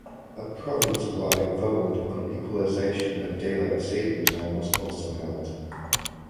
A provincewide vote on equalization and Daylight Saving Time was also held.